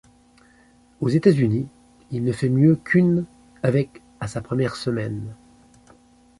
Aux États-Unis, il ne fait mieux qu'une avec à sa première semaine.